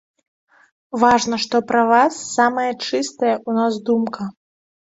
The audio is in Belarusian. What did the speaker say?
Важна, што пра вас самая чыстая ў нас думка.